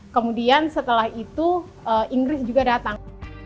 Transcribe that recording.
kemudian setelah itu inggris juga datang